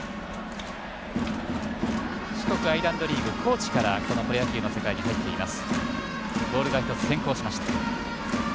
四国アイランドリーグコーチからプロ野球の世界に入っています。